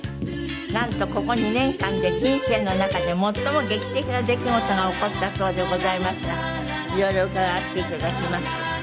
なんとここ２年間で人生の中で最も劇的な出来事が起こったそうでございますが色々伺わせて頂きます。